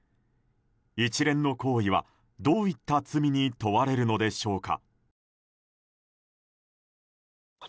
一連の行為は、どういった罪に問われるのでしょうか。